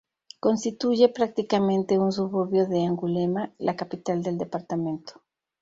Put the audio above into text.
Constituye prácticamente un suburbio de Angulema, la capital del departamento.